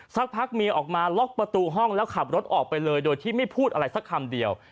สักพักเมียออกมาล็อกประตูห้องแล้วขับรถออกไปเลยโดยที่ไม่พูดอะไรสักคำเดียว